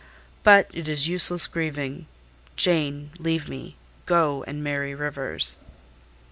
But it is useless grieving. Jane, leave me: go and marry Rivers."